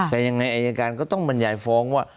แต่ยังไงอายการก็ต้องบรรยายฟ้องว่า